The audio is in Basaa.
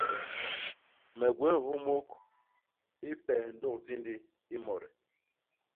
Me gwéé nhyômôk i pes ndôk Tindi i Mode.